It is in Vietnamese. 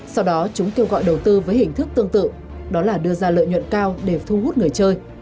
sau đó chúng kêu gọi đầu tư với hình thức tương tự đó là đưa ra lợi nhuận cao để thu hút người chơi